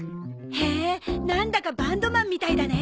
へえなんだかバンドマンみたいだね。